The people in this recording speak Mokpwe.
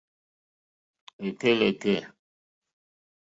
Lɛ̀kɛ́lɛ̀kɛ̀.